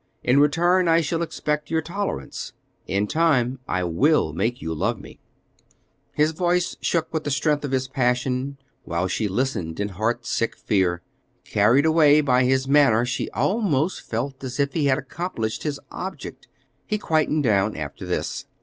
In return I shall expect your tolerance. In time I will make you love me." His voice shook with the strength of his passion, while she listened in heart sick fear. Carried away by his manner, she almost felt as if he had accomplished his object. He quieted down after this.